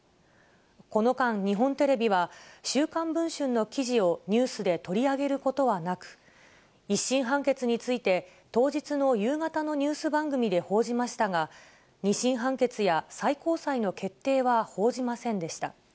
この間、日本テレビは、週刊文春の記事をニュースで取り上げることはなく、１審判決について、当日の夕方のニュース番組で報じましたが、２審判決や最高裁の決定は報じませんでした。